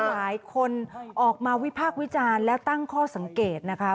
หลายคนออกมาวิพากษ์วิจารณ์และตั้งข้อสังเกตนะคะ